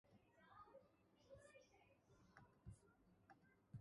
বছরের প্রতি মাসে মায়ামি-ডে কাউন্টিতে টর্নেডো হতে পারে এবং হতে পারে।